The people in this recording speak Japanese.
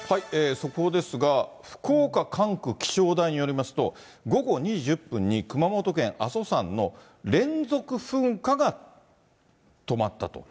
速報ですが、福岡管区気象台によりますと、午後２時１０分に、熊本県阿蘇山の連続噴火が止まったと。